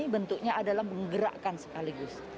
bentuknya adalah menggerakkan sekaligus